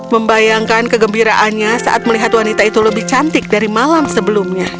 membayangkan kegembiraannya saat melihat wanita itu lebih cantik dari malam sebelumnya